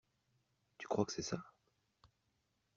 Tu crois que c’est ça?